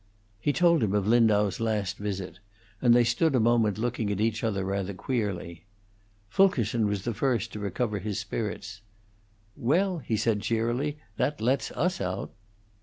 He told him of Lindau's last visit, and they stood a moment looking at each other rather queerly. Fulkerson was the first to recover his spirits. "Well," he said, cheerily, "that let's us out."